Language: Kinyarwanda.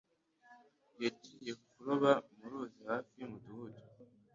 Yagiye kuroba mu ruzi hafi yumudugudu.